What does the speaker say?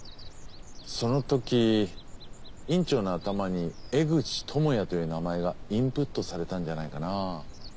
そのとき院長の頭に江口智也という名前がインプットされたんじゃないかな。